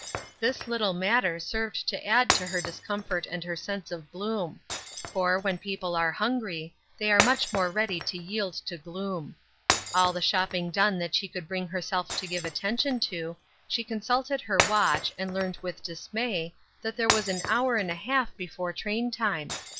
~ This little matter served to add to hei 842 Ruth Erskines Cronus. discomfort and her sense of gloom ; for, when people are hungry, they are much more ready to yield to gloom. All the shopping done that she could bring herself to give attention to, she consulted her watch, and learned with dismay, that there was an hour and a half before train time.